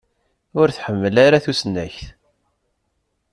Ur tḥemmel ara tusnakt.